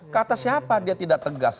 kata siapa dia tidak tegas